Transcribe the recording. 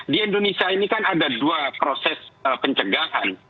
di indonesia ini kan ada dua proses pencegahan